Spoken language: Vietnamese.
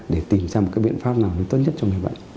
để tìm ra một cái biện pháp nào tốt nhất cho người bệnh